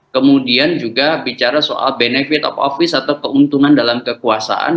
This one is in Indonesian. kemudian juga bicara soal benefit office atau keuntungan dalam kekuasaan